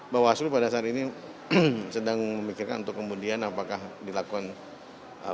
bawaslu pada saat ini sedang memikirkan untuk kemudian apakah dilakukan